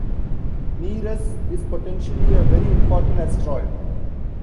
Nereus is potentially a very important asteroid.